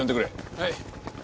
はい。